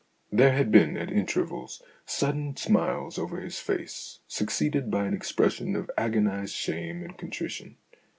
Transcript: There had been at intervals sudden smiles over his face, succeeded by an expression of agonized shame and contrition.